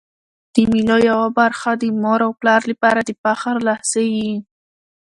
د مېلو یوه برخه د مور او پلار له پاره د فخر لحظې يي.